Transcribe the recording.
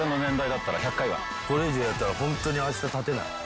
これ以上やったらホントに明日立てない。